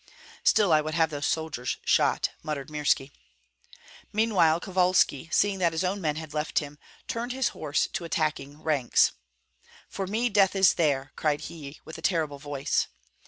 "Still I would have those soldiers shot!" muttered Mirski. Meanwhile Kovalski, seeing that his own men had left him, turned his horse to the attacking ranks. "For me death is there!" cried he, with a terrible voice.